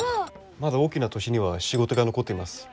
まだ大きな都市には仕事が残っています。